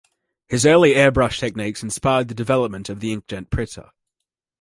His early airbrush techniques inspired the development of the ink jet printer.